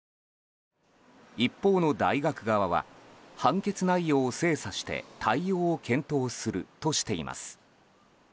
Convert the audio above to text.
一方の大学側は判決内容を精査して対応を検討するとしています。